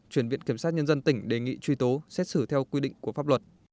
chuyển viện kiểm sát nhân dân tỉnh đề nghị truy tố xét xử theo quy định của pháp luật